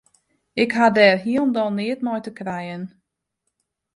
Ik ha dêr hielendal neat mei te krijen.